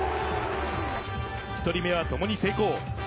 １人目はともに成功。